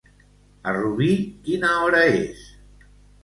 A Rubí quina hora és?